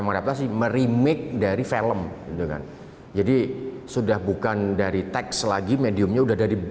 mengadaptasi bukan meremeh dari film dengan jadi sudah bukan dari teks lagi mediumnya udah dari